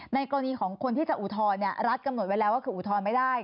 ในกรณีของคนที่จะอุทธรณ์รัฐกำหนดไว้แล้วว่าคืออุทธรณ์ไม่ได้